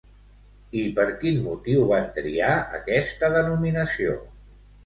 I per quin motiu van triar aquesta denominació?